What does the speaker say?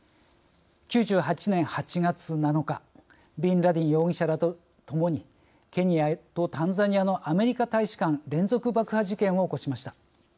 ９８年８月７日ビンラディン容疑者らとともにケニアとタンザニアのアメリカ大使館連続爆破事件を起こしました。